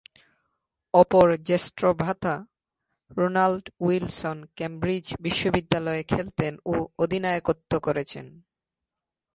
অপর জ্যেষ্ঠ ভ্রাতা রোল্যান্ড উইলসন কেমব্রিজ বিশ্ববিদ্যালয়ে খেলতেন ও অধিনায়কত্ব করেছেন।